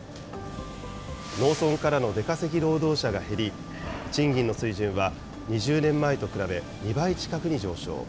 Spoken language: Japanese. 農村からの出稼ぎ労働者が減り、賃金の水準は２０年前と比べ、２倍近くに上昇。